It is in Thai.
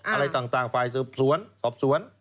อะไรต่างฝ่ายสืบสวนสอบสวน